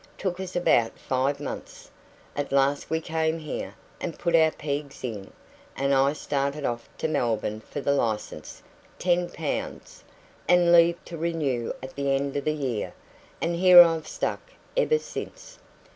Took us about five months. At last we came here, and put our pegs in, and I started off to Melbourne for the license ten pounds, and leave to renew at the end of the year and here I've stuck ever since.